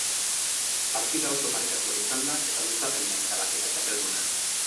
Partida oso parekatua izan da, eta luzapenean erabaki da txapelduna.